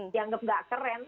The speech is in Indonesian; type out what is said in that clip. dianggap gak keren